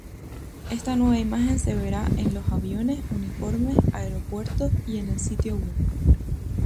Esta nueva imagen se verá en los aviones, uniformes, aeropuertos, y el sitio web.